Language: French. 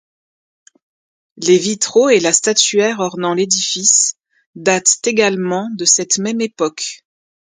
Les vitraux et la statuaire ornant l'édifice datent également de cette même époque.